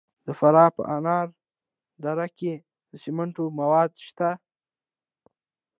د فراه په انار دره کې د سمنټو مواد شته.